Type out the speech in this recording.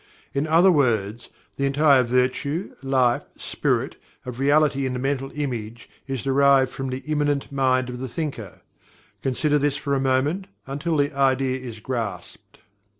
In other words, the entire virtue, life, spirit, of reality in the mental image is derived from the "immanent mind" of the thinker. Consider this for a moment, until the idea is grasped.